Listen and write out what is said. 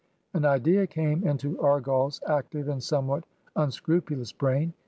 An idea came into Argali's active and somewhat unscrupulous brain.